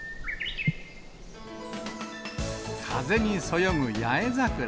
風にそよぐ八重桜。